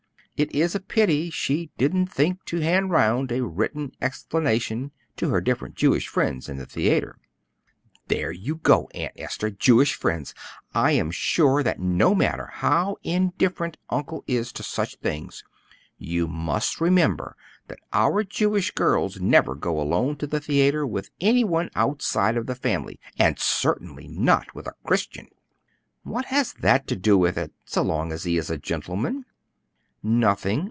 It is a pity she didn't think to hand round a written explanation to her different Jewish friends in the theatre." "There you go, Aunt Esther! Jewish friends! I am sure that no matter how indifferent Uncle is to such things, you must remember that our Jewish girls never go alone to the theatre with any one outside of the family, and certainly not with a Christian." "What has that to do with it, so long as he is a gentleman?" "Nothing.